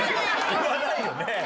言わないよね。